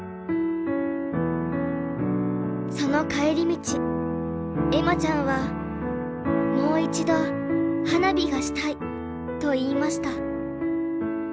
その帰り道恵麻ちゃんは「もう一度花火がしたい」と言いました。